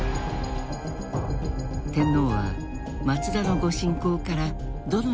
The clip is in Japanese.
天皇は松田の御進講からどのような情報を得たのか。